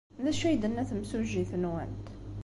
D acu ay d-tenna temsujjit-nwent?